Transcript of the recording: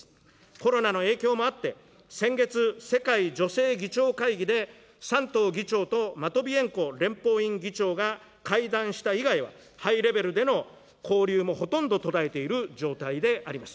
コロナの影響もあって、先月、世界女性議長会議で、山東議長とマトビエンコ連邦院議長が会談した以外は、ハイレベルでの交流もほとんど途絶えている状態であります。